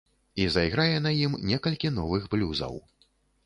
І зайграе на ім некалькі новых блюзаў.